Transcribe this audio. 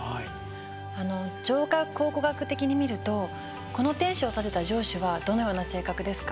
あの城郭考古学的に見るとこの天守を建てた城主はどのような性格ですか？